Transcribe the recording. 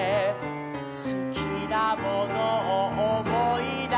「すきなものをおもいだせば」